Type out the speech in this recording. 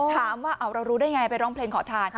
ถามว่าเรารู้ได้ไงไปร้องเพลงขอทาน